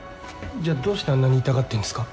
じゃあどうしてあんなに痛がってんですか？